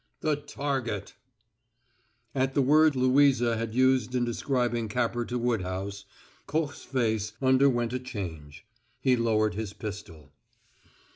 "The target!" At the word Louisa had used in describing Capper to Woodhouse, Koch's face underwent a change. He lowered his pistol.